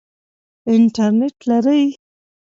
انټرنټ لرئ؟